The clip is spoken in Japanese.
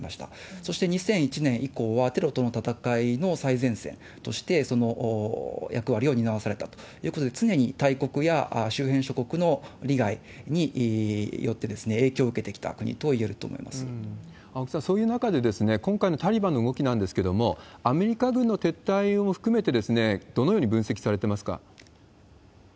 そして２００１年以降は、テロとの戦いの最前線として、その役割を担わされたということで、常に大国や周辺諸国の利害によって影響を受けてきた国といえると青木さん、そういう中で、今回のタリバンの動きなんですけれども、アメリカ軍の撤退も含めてどのように分析されてますか？